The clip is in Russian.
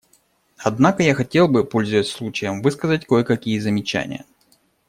Однако я хотел бы, пользуясь случаем, высказать кое-какие замечания.